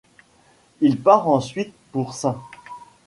Il part ensuite pour St.